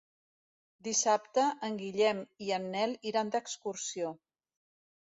Dissabte en Guillem i en Nel iran d'excursió.